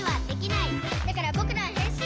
「だからぼくらはへんしんだ！」